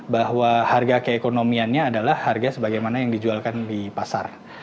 bahwa harga keekonomiannya adalah harga sebagaimana yang dijualkan di pasar